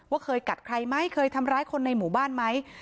เคยกัดใครไหมเคยทำร้ายคนในหมู่บ้านไหม